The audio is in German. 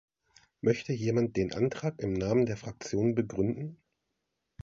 Möchte jemand den Antrag im Namen der Fraktion begründen?